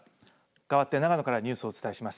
かわって長野からニュースをお伝えします。